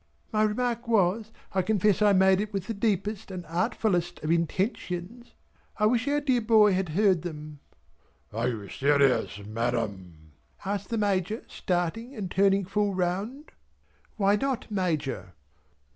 My remark was I confess I made it with the deepest and artfullest of intentions "I wish our dear boy had heard them!" "Are you serious Madam?" asked the Major starting and turning full round. "Why not Major?"